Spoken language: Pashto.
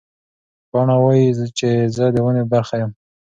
پاڼه وایي چې زه د ونې برخه یم.